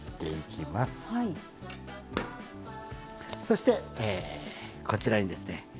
そしてこちらにですね